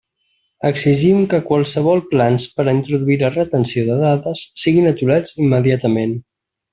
Exigim que qualssevol plans per a introduir la retenció de dades siguin aturats immediatament.